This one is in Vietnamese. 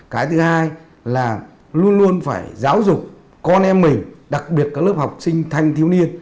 cái thứ hai là luôn luôn phải giáo dục con em mình đặc biệt các lớp học sinh thanh thiếu niên